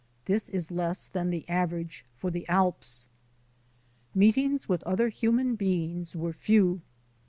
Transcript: This is less than the average for the Alps. Meetings with other human beings were few.